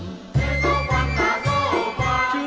chứ đức lòng là quần dân